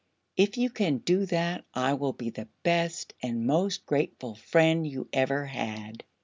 If you can do that I will be the best and most grateful friend you ever had!"